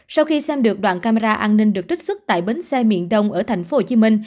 sau khi xem được đoạn camera an ninh được trích xuất tại bến xe miền đông ở tp hcm